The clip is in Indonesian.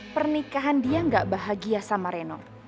pernikahan dia gak bahagia sama reno